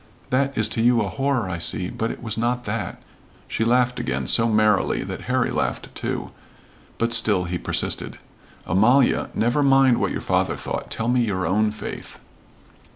That is to you a horror, I see, but it was not that." She laughed again, so merrily that Harry laughed, too. But still he persisted, "Amalia never mind what your father thought; tell me your own faith."